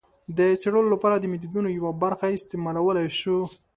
د څېړلو لپاره د میتودونو یوه برخه استعمالولای شو.